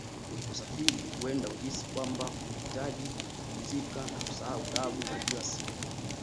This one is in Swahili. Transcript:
Uliposafiri huenda ulihisi kwamba ulihitaji kupumzika na kusahau taabu za kila siku